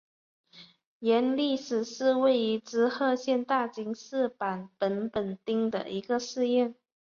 延历寺是位于滋贺县大津市坂本本町的一个寺院。